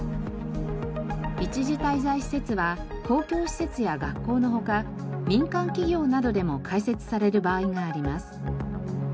一時滞在施設は公共施設や学校の他民間企業などでも開設される場合があります。